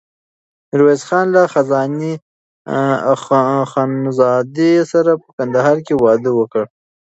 ميرويس خان له خانزادې سره په کندهار کې واده وکړ.